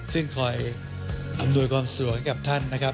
ซึ่งควรให้อำนวยความสดัดสุดของท่าน